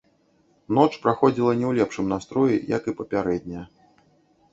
Ноч праходзіла не ў лепшым настроі, як і папярэдняя.